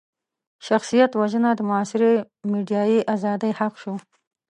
شخصيت وژنه د معاصرې ميډيايي ازادۍ حق شو.